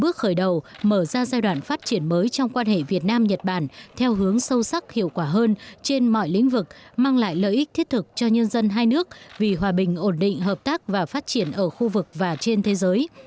bước khởi đầu mở ra giai đoạn phát triển mới trong quan hệ việt nam nhật bản theo hướng sâu sắc hiệu quả hơn trên mọi lĩnh vực mang lại lợi ích thiết thực cho nhân dân hai nước vì hòa bình ổn định hợp tác và phát triển ở khu vực và trên thế giới